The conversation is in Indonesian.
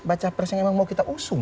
baca pres yang memang mau kita usung